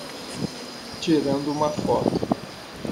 Tirando uma foto